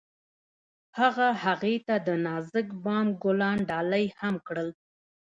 هغه هغې ته د نازک بام ګلان ډالۍ هم کړل.